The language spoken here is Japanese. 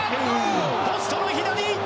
ポストの左！